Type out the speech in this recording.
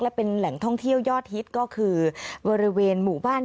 และเป็นแหล่งท่องเที่ยวยอดฮิตก็คือบริเวณหมู่บ้าน